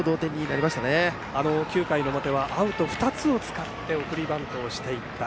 ９回はアウト２つを使って送りバントをしていった